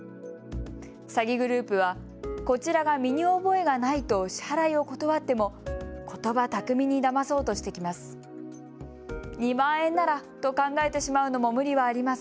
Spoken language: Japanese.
詐欺グループはこちらが身に覚えがないと支払いを断っても、ことば巧みにだまそうとしてきます。